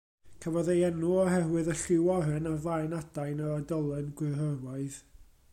Cafodd ei enw oherwydd y lliw oren ar flaen adain yr oedolyn gwrywaidd.